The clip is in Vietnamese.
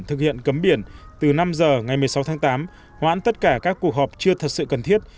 thực hiện cấm biển từ năm giờ ngày một mươi sáu tháng tám hoãn tất cả các cuộc họp chưa thật sự cần thiết